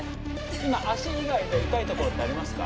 今足以外で痛いところってありますか？